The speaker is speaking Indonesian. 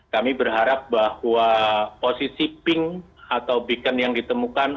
kami berharap bahwa posisi pink atau beacon yang ditemukan